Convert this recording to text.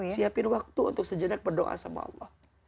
siapin waktu untuk sejenak berdoa sama allah